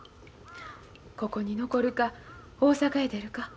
ここに残るか大阪へ出るか。